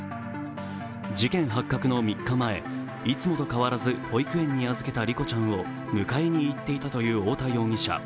事件発覚の３日前、いつもと変わらず保育園に預けた梨心ちゃんを迎えにいっていたという太田容疑者。